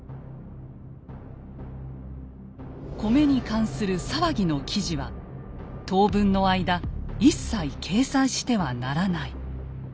「米に関する騒ぎの記事は当分の間一切掲載してはならない」。